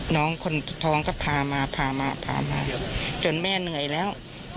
น้องคนท้องก็พามาพามาพามาจนแม่เหนื่อยแล้ว